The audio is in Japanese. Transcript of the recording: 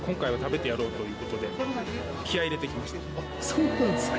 そうなんですか。